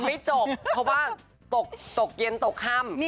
ไม่จบเพราะว่าตกเย็นตกค่ำ